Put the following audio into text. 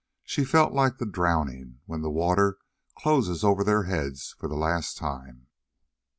She felt like the drowning, when the water closes over their heads for the last time.